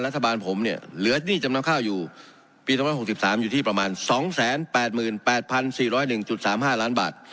รัฐบาลผมเนี้ยเหลือหนี้จำนวงข้าวอยู่ปีเมื่อหกสิบสามอยู่ที่ประมาณสองแสนแปดหมื่นแปดพันสี่ร้อยหนึ่งจุดสามห้าล้านบาท